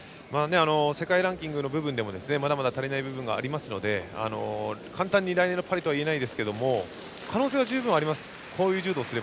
世界ランキングの部分でもまだ足りない部分がありますので、簡単に来年のパリとはいえないですけども可能性は十分あります。